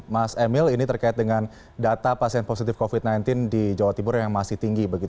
mas emil ini terkait dengan data pasien positif covid sembilan belas di jawa timur yang masih tinggi